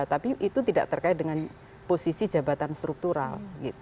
tapi itu tidak terkait dengan posisi jabatan struktural